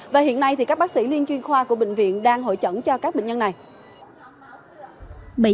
và hiện nay thì các bác sĩ liên chuyên khoa của bệnh viện đang hội chẩn cho các bệnh nhân này